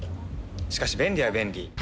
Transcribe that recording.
しかし、便利は便利。